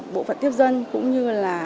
bộ phận tiếp dân cũng như là